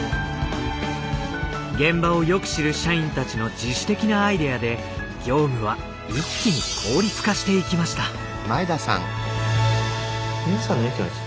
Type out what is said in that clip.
現場をよく知る社員たちの自主的なアイデアで業務は一気に効率化していきました。